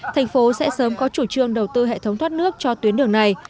tp sẽ sớm có chủ trương đầu tư hệ thống thoát nước cho tuyến đường này